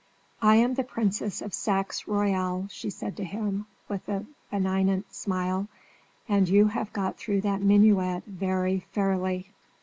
"I am the Princess of Saxe Royal," she said to him, with a benignant smile; "and you have got through that minuet very fairly."